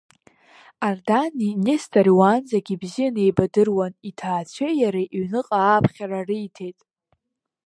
Ардани Нестори уаанӡагьы ибзианы еибадыруан, иҭаацәеи иареи иҩныҟа ааԥхьара риҭеит.